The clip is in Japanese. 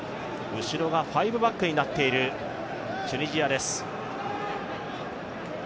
後ろがファイブバックになっているチュニジアです。